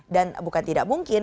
dan bukan tidak mungkin